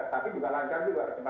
tapi juga lancar juga